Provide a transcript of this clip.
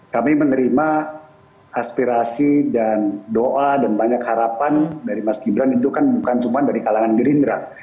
kami menerima aspirasi dan doa dan banyak harapan dari mas gibran itu kan bukan cuma dari kalangan gerindra